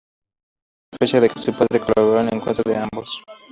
Existe la sospecha que su padre colaboró en el encuentro de ambos.